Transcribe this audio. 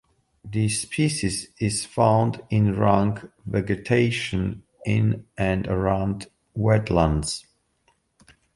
The species is found in rank vegetation in and around wetlands.